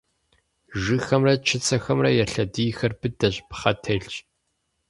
Жыгхэмрэ чыцэхэмрэ я лъэдийхэр быдэщ, пхъэ телъщ.